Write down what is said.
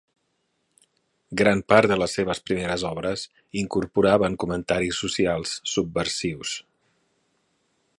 Gran part de les seves primeres obres incorporaven comentaris socials subversius.